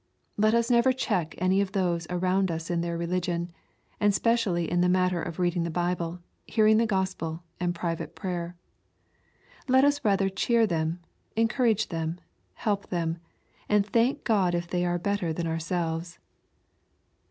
Let us never check any of those around us in their religion, and specially in the matter of reading the Bible, hearing the Gospel, and private prayer. Let us rather cheer them, encourage them, help them, and thank God if they are better than our selves.